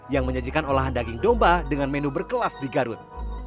yang menyajikan olahan daging domba dengan menu berkelas di garut